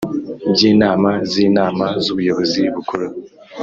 By inama z inama z ubuyobozi bukuru